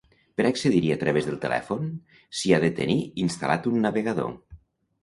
Per accedir-hi a través del telèfon, s'hi ha de tenir instal·lat un navegador.